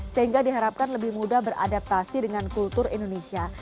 sehingga diharapkan lebih mudah beradaptasi dengan kultur indonesia